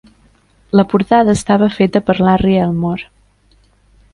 La portada estava feta per Larry Elmore.